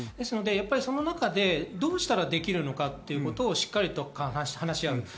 その中でどうしたらできるのかということを話し合う。